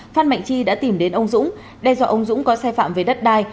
phan mạnh chi đã tìm đến ông dũng đe dọa ông dũng có sai phạm về đất đai